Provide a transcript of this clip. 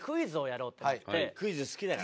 クイズ好きだからね。